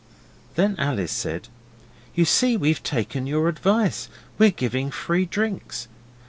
Then Alice said, 'You see we've taken your advice; we're giving free drinks.